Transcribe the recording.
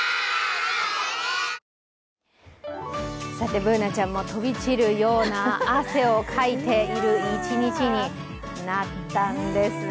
Ｂｏｏｎａちゃんも飛び散るような汗をかいている一日になったんですね。